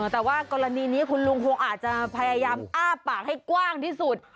แต่ว่ากรณีนี้คุณลุงคงอาจจะพยายามอ้าปากให้กว้างที่สุด